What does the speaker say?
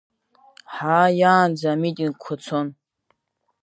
Ҳааиаанӡа амитингқәа цон.